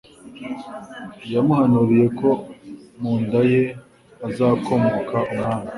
yamuhanuriye ko mu nda ye hazakomoka umwami